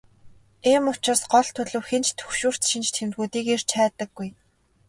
Ийм учраас гол төлөв хэн ч түгшүүрт шинж тэмдгүүдийг эрж хайдаггүй.